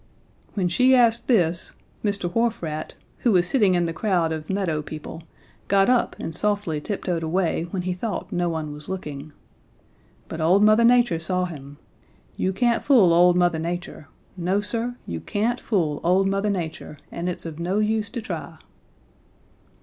"When she asked this, Mr. Wharf Rat, who was sitting in the crowd of meadow people, got up and softly tiptoed away when he thought no one was looking. But old Mother Nature saw him. You can't fool old Mother Nature. No, Sir, you can't fool old Mother Nature, and it's of no use to try.